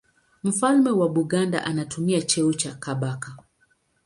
Mfalme wa Buganda anatumia cheo cha Kabaka.